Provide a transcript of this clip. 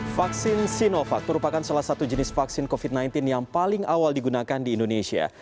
vaksin sinovac merupakan salah satu jenis vaksin covid sembilan belas yang paling awal digunakan di indonesia